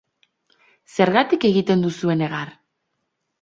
Zergatik egiten duzue negar?